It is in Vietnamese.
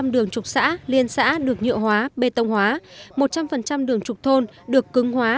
một trăm linh đường trục xã liên xã được nhựa hóa bê tông hóa một trăm linh đường trục thôn được cưng hóa